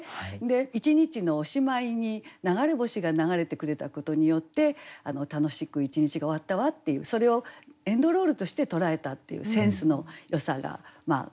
一日のおしまいに流れ星が流れてくれたことによって楽しく一日が終わったわっていうそれをエンドロールとして捉えたっていうセンスのよさが心引かれたところですかね。